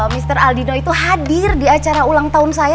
mr aldino itu hadir di acara ulang tahun saya